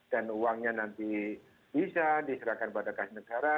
dan uangnya nanti bisa diserahkan kepada khas negara